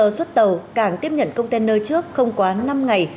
tại cảng cát lái chờ suốt tàu cảng tiếp nhận container trước không quá năm ngày